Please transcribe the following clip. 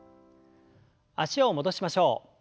脚を戻しましょう。